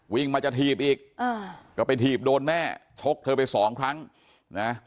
วิ่งมาจะถีบอีกอ่าก็ไปถีบโดนแม่ชกเธอไปสองครั้งนะ